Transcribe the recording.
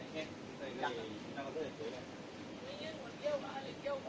สวัสดีครับสวัสดีครับ